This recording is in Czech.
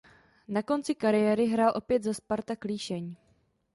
Na konci kariéry hrál opět za Spartak Líšeň.